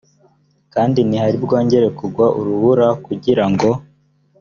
kandi ntihari bwongere kugwa urubura kugira ngo